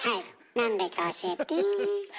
なんでか教えて。